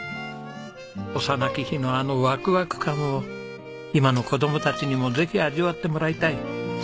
幼き日のあのワクワク感を今の子供たちにもぜひ味わってもらいたい。